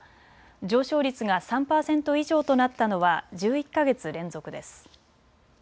上昇率が３％以上となったのは１１か月連続です。